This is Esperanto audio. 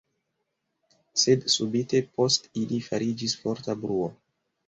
Sed subite post ili fariĝis forta bruo.